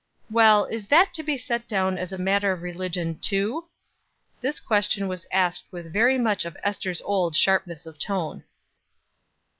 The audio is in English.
"Well, is that to be set down as a matter of religion, too?" This question was asked with very much of Ester's old sharpness of tone.